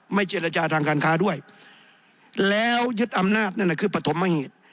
เจรจาทางการค้าด้วยแล้วยึดอำนาจนั่นน่ะคือปฐมเหตุ